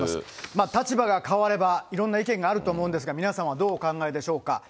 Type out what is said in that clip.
立場が変わればいろんな意見があると思うんですが、皆さんはどうお考えでしょうか。